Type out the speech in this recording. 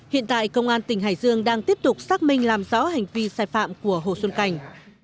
hiện tại công an tỉnh hải dương đang tiếp tục xác minh làm rõ hành vi sai phạm của hồ xuân cảnh